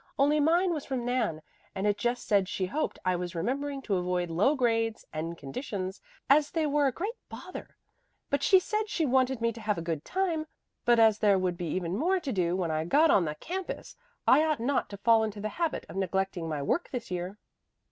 Only mine was from Nan, and it just said she hoped I was remembering to avoid low grades and conditions, as they were a great bother. She said she wanted me to have a good time, but as there would be even more to do when I got on the campus, I ought not to fall into the habit of neglecting my work this year."